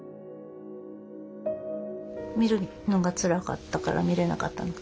見るのがつらかったから見れなかった